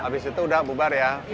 habis itu udah bubar ya